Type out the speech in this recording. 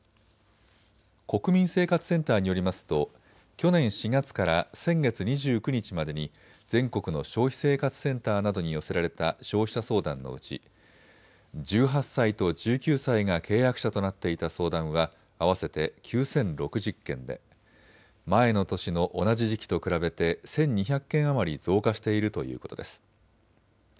国民生活センターによりますと去年４月から先月２９日までに全国の消費生活センターなどに寄せられた消費者相談のうち１８歳と１９歳が契約者となっていた相談は合わせて９０６０件で前の年の同じ時期と比べて１２００件余り増加しているということです。